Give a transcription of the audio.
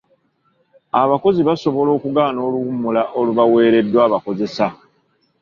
Abakozi basobola okugaana oluwummula olubaweereddwa abakozesa.